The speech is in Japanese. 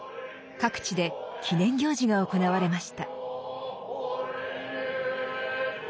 各地で記念行事が行われました。